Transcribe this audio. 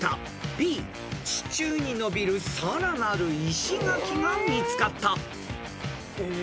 ［Ｂ地中に伸びるさらなる石垣が見つかった］